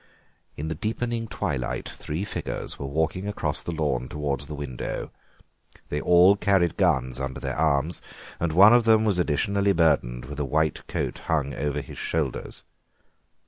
In the deepening twilight three figures were walking across the lawn towards the window; they all carried guns under their arms, and one of them was additionally burdened with a white coat hung over his shoulders.